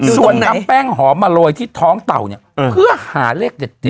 ส่วนนำแป้งหอมมาโรยที่ท้องเต่าเนี่ยเพื่อหาเลขเด็ด